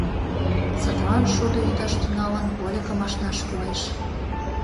Садлан, шудо ӱдаш тӱҥалын, вольыкым ашнаш кӱлеш.